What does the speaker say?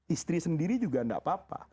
istri sendiri juga tidak apa apa